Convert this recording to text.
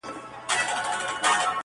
o دې وې درد څۀ وي خفګان څۀ ته وایي,